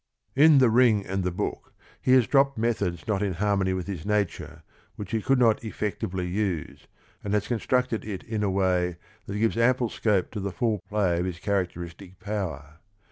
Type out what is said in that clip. In The Ring and the Book he has dropped methods not in harmony with his nature, which he could not effectively use, and has constructed it in a way that gives ample scope to the full play of his characteristic power.